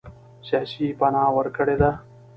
سیاسي پناه ورکړې ده.